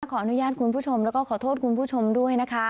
ขออนุญาตคุณผู้ชมแล้วก็ขอโทษคุณผู้ชมด้วยนะคะ